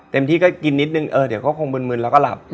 ที่ก็กินนิดนึงเดี๋ยวก็คงมึนแล้วก็หลับ